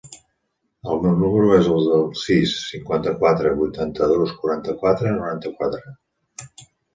El meu número es el sis, cinquanta-quatre, vuitanta-dos, quaranta-quatre, noranta-quatre.